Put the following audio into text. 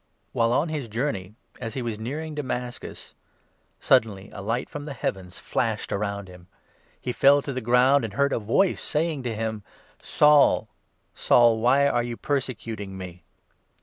While on his journey, as he was nearing Damascus, sud 3 denly a light from the heavens flashed around him. He fell 4 to the ground and heard a voice saying to him —" Saul, Saul, why are you persecuting me